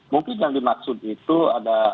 mungkin yang dimaksud itu ada